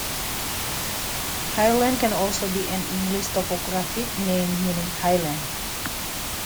Hyland can also be an English topographic name meaning "high land".